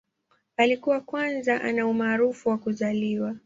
Alikuwa kwanza ana umaarufu wa kuzaliwa.